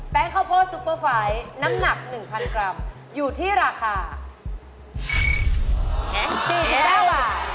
ข้าวโพดซุปเปอร์ไฟล์น้ำหนัก๑๐๐กรัมอยู่ที่ราคา๔๙บาท